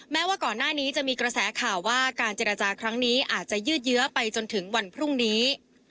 แม้ว่าก่อนหน้านี้จะมีกระแสข่าวว่าการเจรจาครั้งนี้อาจจะยืดเยื้อไปจนถึงวันพรุ่งนี้